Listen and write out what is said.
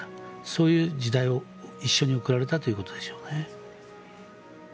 そういう時代を一緒に送られたということでしょうね。